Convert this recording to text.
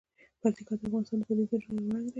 پکتیکا د افغانستان د طبیعي پدیدو یو رنګ دی.